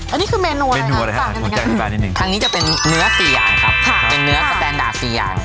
อันนี้คือเมนูอะไรครับทางนี้จะเป็นเนื้อสี่อย่างครับค่ะเป็นเนื้อสแตนดาร์สี่อย่าง